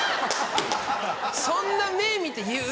そんな目見て言う？